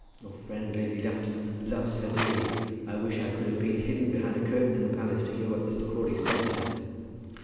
Your friend, Lady Lufton, loves her dearly. I wish I could have been hidden behind a curtain in the palace, to hear what Mr. Crawley said to her."